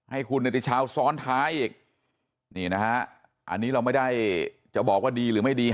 ให้คุณเนติชาวซ้อนท้ายอีกนี่นะฮะอันนี้เราไม่ได้จะบอกว่าดีหรือไม่ดี